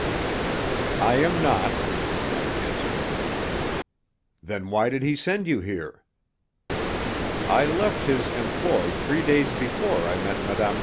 "I am not," I answered. "Then why did he send you here?" "I left his employ three days before I met Mme.